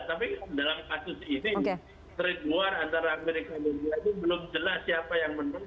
tapi dalam kasus ini trade war antara amerika dan india itu belum jelas siapa yang menang